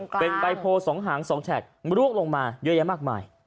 เป็นใบโพ๒หาง๒แฉกร่วงลงมาเยอะแยะมากมาย